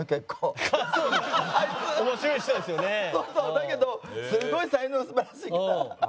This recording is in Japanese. だけどすごい才能素晴らしいから。